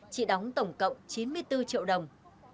chị đóng tổng cộng chín mươi bốn triệu đồng